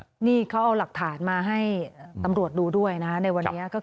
เนนแอร์เขาเอาหลักฐานมาให้ตำรวจดูด้วยนะในวันนี้